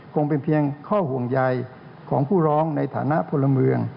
คงเป็นเพียงข้อห่วงใยของผู้ร้องในฐานะพลเมือง